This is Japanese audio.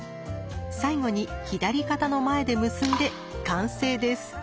最後に左肩の前で結んで完成です。